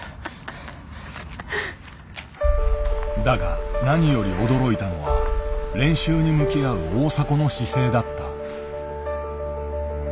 だが何より驚いたのは練習に向き合う大迫の姿勢だった。